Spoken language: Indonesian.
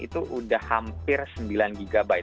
itu sudah hampir sembilan gb